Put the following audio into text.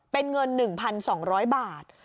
เป็นเงิน๑๒๐๐บาท